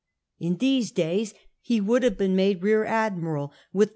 In those days he would have been made roar admiral ami K.